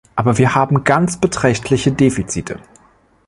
Aber wir haben ganz beträchtliche Defizite.